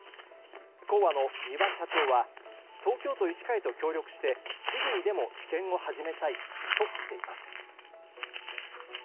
興和の三輪社長は東京都医師会と協力してすぐにでも治験を始めたいとしています。